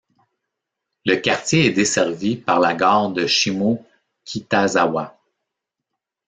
Le quartier est desservi par la gare de Shimo-kitazawa.